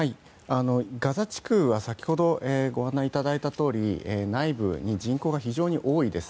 ガザ地区は先ほどご案内いただいたとおり内部に人口が非常に多いです。